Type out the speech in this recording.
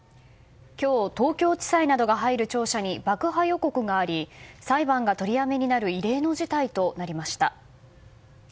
今日東京地裁などが入る庁舎に爆破予告があり裁判が取りやめになる異例の事態となりました。